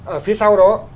ở phía sau đó